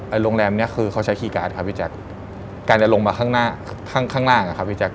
โรงแรมเนี้ยคือเขาใช้คีย์การ์ดครับพี่แจ๊คการจะลงมาข้างหน้าข้างข้างล่างอะครับพี่แจ๊